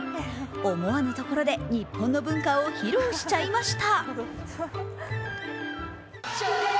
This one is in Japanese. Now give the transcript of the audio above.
思わぬところで日本の文化を披露しちゃいました。